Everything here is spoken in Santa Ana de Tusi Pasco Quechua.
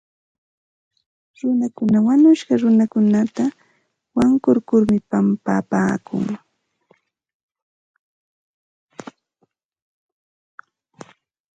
Runakuna wañushqa runakunata wankurkurmi pampapaakun.